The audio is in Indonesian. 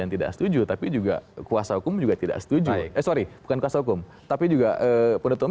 tidak setuju tapi juga kuasa hukum juga tidak setuju esori bukan kuasa hukum tapi juga pun